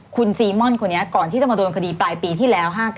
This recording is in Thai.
คุณซีม่อนคนนี้ก่อนที่จะมาโดนคดีปลายปีที่แล้ว๕๙